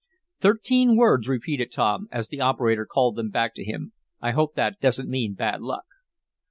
"Thirteen words," repeated Tom, as the operator called them back to him. "I hope that doesn't mean bad luck."